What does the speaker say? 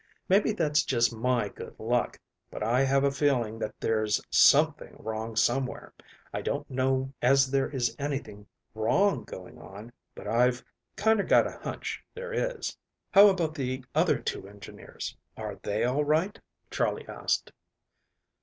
Maybe that's just my good luck, but I have a feeling that there's something wrong somewhere. I don't know as there is anything wrong going on, but I've kinder got a hunch there is." "How about the other two engineers? Are they all right?" Charley asked.